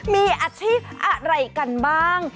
มีอาชีพอะไรกันบ้าง